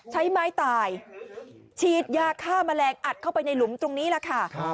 ใช้ไม้ตายฉีดยาฆ่าแมลงอัดเข้าไปในหลุมตรงนี้แหละค่ะ